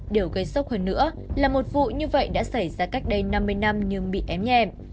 điều gây sốc hơn nữa là một vụ như vậy đã xảy ra cách đây năm mươi năm nhưng bị ém nhẹ